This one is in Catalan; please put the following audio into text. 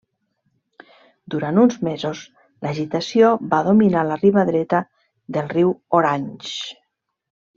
Durant uns mesos l'agitació va dominar la riba dreta del riu Orange.